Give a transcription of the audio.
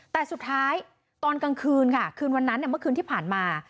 แต่สุดท้ายตอนกลางคืนค่ะคืนวันนั้นเมื่อคืนที่ผ่านมา